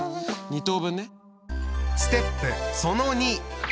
２等分ね。